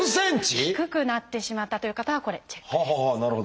低くなってしまったという方はこれチェックです。